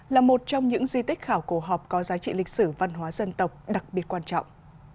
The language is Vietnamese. là một trong những di tích khảo cổ học có giá trị lịch sử văn hóa dân tộc đặc biệt quan trọng